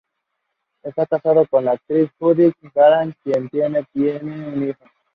Está casado con la actriz Judith Grant, con quien tiene un hijo.